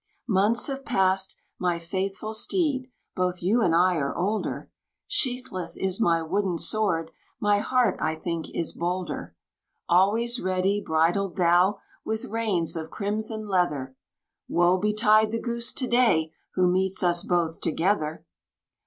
Months have passed, my faithful steed, both you and I are older, Sheathless is my wooden sword, my heart I think is bolder. Always ready bridled thou, with reins of crimson leather; Woe betide the Goose to day who meets us both together!